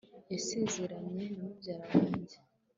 yasezeranye na mubyara wanjye